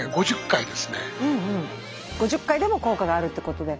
５０回でも効果があるってことで。